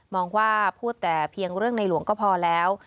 องว่าพูดแต่เพียงเรื่องในหลวงก็พอแล้ว